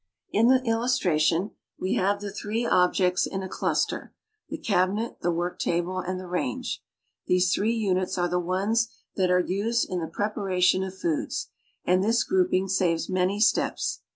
In the illustration we have the three objects in a cluster — the cabinet, the work table, and the range. These three units are the ones that are used in the preparation of foods, and this grouping saves many steps.